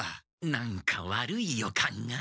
何か悪い予感が。